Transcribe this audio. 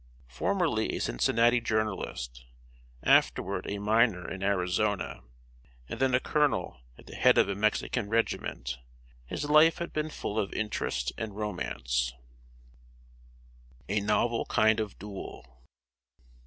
Formerly a Cincinnati journalist, afterward a miner in Arizona, and then a colonel at the head of a Mexican regiment, his life had been full of interest and romance. [Sidenote: A NOVEL KIND OF DUEL.